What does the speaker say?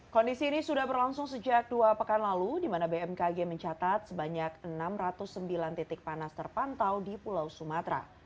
kondisi ini sudah berlangsung sejak dua pekan lalu di mana bmkg mencatat sebanyak enam ratus sembilan titik panas terpantau di pulau sumatera